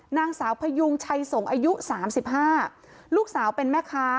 นางสาวพยุงชัยสงฯอายุสามสิบห้าลูกสาวเป็นแม่ค้า